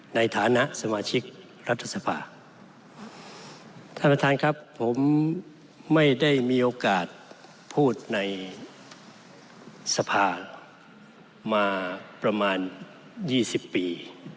ในฐานะสมาชิกรัฐสภาท่านประธานครับผมไม่ได้มีโอกาสพูดในสภามาประมาณ๒๐ปี